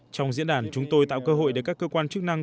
trong diễn đàn chúng tôi tạo cơ hội để các cơ quan chức năng